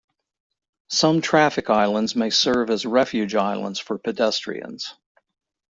Some traffic islands may serve as refuge islands for pedestrians.